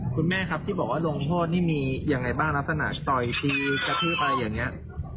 คุณแม่ครับที่บอกว่าลงโทษนี่มียังไงบ้างลักษณะต่อยตีกระทืบอะไรอย่างนี้